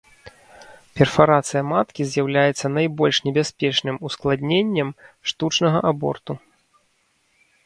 Перфарацыя маткі з'яўляецца найбольш небяспечным ускладненнем штучнага аборту.